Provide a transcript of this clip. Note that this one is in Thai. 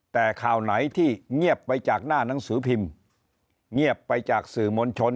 แต่ข่าวไหนที่เงียบไปจากหน้าหนังสือพิมพ์เงียบไปจากสื่อมวลชน